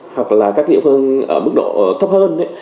hoặc là các địa phương ở mức độ thấp hơn